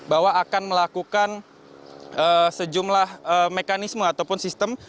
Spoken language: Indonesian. bahwa akan melakukan sejumlah mekanisme ataupun sistem